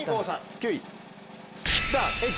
９位。